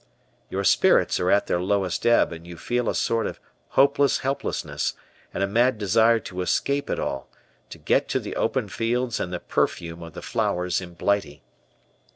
Your spirits are at their lowest ebb and you feel a sort of hopeless helplessness and a mad desire to escape it all, to get to the open fields and the perfume of the flowers in Blighty.